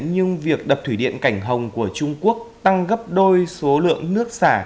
nhưng việc đập thủy điện cảnh hồng của trung quốc tăng gấp đôi số lượng nước xả